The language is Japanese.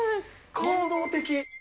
感動的。